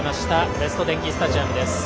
ベスト電器スタジアムです。